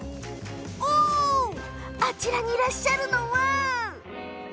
あちらにいらっしゃるのは？